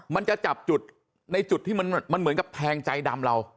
มันจะจับจุดในจุดที่มันเหมือนกับแทงใจดำเรา